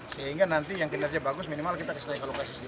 sehingga nanti yang kinerja bagus minimal kita kasih naik ke lokasi sedikit lagi